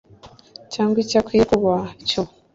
cyangwa icyo akwiriye kuba cyo